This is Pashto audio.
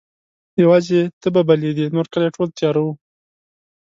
یواځي ته به بلېدې نورکلی ټول تیاره وو